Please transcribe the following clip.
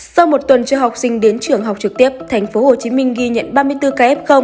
sau một tuần cho học sinh đến trường học trực tiếp tp hcm ghi nhận ba mươi bốn kf